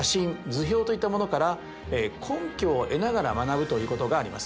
図表といったものから根拠を得ながら学ぶということがあります。